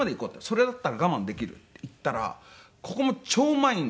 それだったら我慢できるって行ったらここも超満員だったんですよ。